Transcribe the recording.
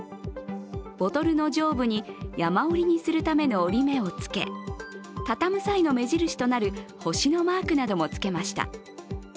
ボトルの上部に山折りにするためりの折り目をつけ、畳む際の目印となる星のマークなどもつけました。